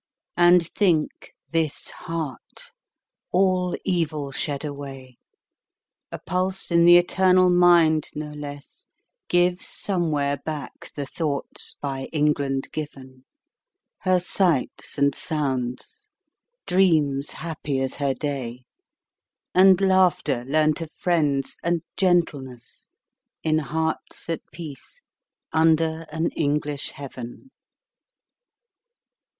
And think, this heart, all evil shed away, A pulse in the eternal mind, no less Gives somewhere back the thoughts by England given; Her sights and sounds; dreams happy as her day; And laughter, learnt of friends; and gentleness, In hearts at peace, under an English heaven.